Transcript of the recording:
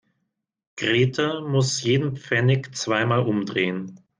Grete muss jeden Pfennig zweimal umdrehen.